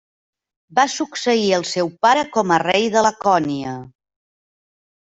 Va succeir el seu pare com a rei de Lacònia.